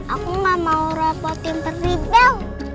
aku gak mau rapotin peribel